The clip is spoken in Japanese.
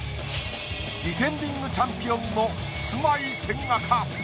ディフェンディングチャンピオンのキスマイ・千賀か？